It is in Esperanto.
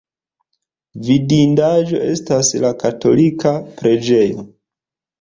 Vidindaĵo estas la katolika preĝejo.